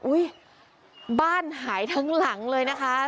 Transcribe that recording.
บ้านหายทั้งหลังเลยนะคะ